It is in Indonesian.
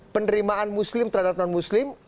penerimaan muslim terhadap non muslim